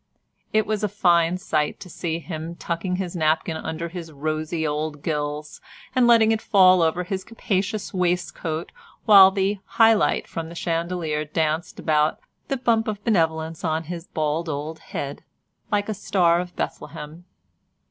It was a fine sight to see him tucking his napkin under his rosy old gills, and letting it fall over his capacious waistcoat while the high light from the chandelier danced about the bump of benevolence on his bald old head like a star of Bethlehem.